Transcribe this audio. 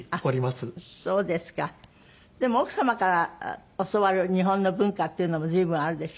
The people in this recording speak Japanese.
でも奥様から教わる日本の文化っていうのも随分あるでしょ？